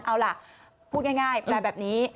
เอาล่ะพูดง่ายแปลแบบนี้